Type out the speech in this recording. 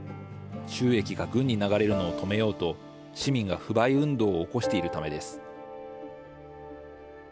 収益が軍に流れるのを止めようと市民が不買運動を起こしているためです。